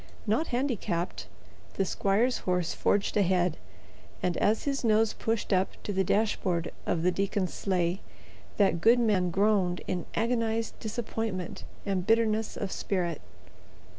Not handicapped, the squire's horse forged ahead, and as his nose pushed up to the dashboard of the deacon's sleigh, that good man groaned in agonized disappointment and bitterness of spirit.